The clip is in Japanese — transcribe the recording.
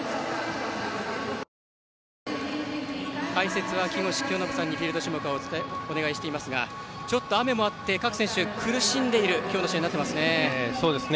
解説は木越清信さんにフィールド種目はお願いしておりますがちょっと雨もあって各選手苦しんでいる今日の試合ですね。